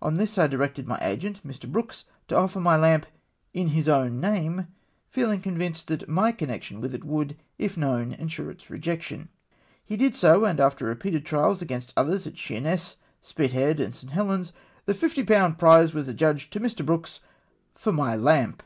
On this I directed my agent, Mr. Brooks, to offer my lamp in his own name, feehng convinced that my connection with it would, if known, ensure its rejection. He did so, and after repeated trials against others at Sheerness, Spit head, and St. Helen's, the fifty pound prize was adjudged to Mr. Brooks for my lamp